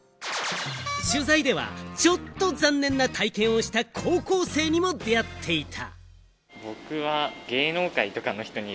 取材では、ちょっと残念な体験をした高校生にも出会っていた。